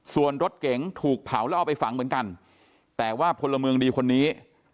ส่วนรถเก๋งถูกเผาแล้วเอาไปฝังเหมือนกันแต่ว่าพลเมืองดีคนนี้